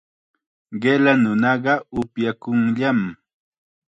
Qilla nunaqa upyakunllam.